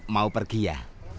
mau pergi ya